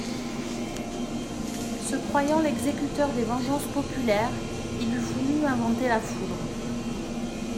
Se croyant l'exécuteur des vengeances populaires il eût voulu inventer la foudre.